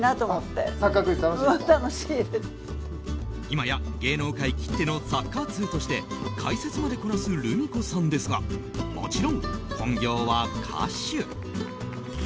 今や芸能界きってのサッカー通として解説までこなすルミ子さんですがもちろん本業は歌手。